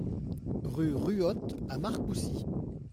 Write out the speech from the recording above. Rue Ruotte à Marcoussis